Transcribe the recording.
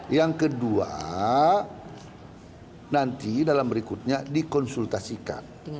yang kedua nanti dalam berikutnya dikonsultasikan